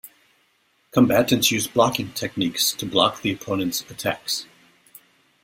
Combattants use blocking techniques to block the opponent's attacks.